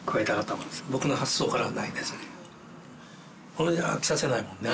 これは飽きさせないもんね。